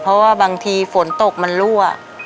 เพราะว่าบางทีฝนตกมันรั่ว